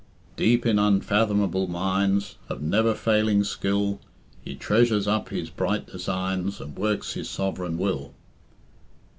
"Deep in unfathomable mines Of never failing skill, He treasures up His bright designs And works His sovereign will."